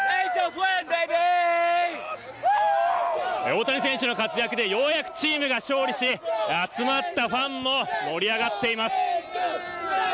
大谷選手の活躍でようやくチームが勝利し集まったファンも盛り上がっています。